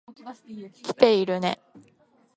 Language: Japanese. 来ているね。